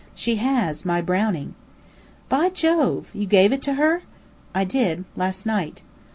"She has. My Browning." "Jove! You gave it to her?" "I did. Last night."